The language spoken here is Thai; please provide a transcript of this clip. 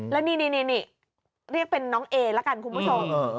แล้วนี่เรียกเป็นน้องเอละกันคุณผู้ชม